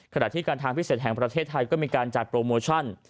ขณะที่การทางพิเศษแห่งประเทศไทยก็มีการจัดโปรโมชั่น